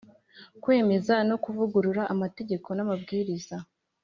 Kwemeza no kuvugurura amategeko n amabwiriza